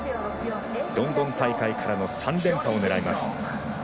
ロンドン大会からの３連覇を狙います。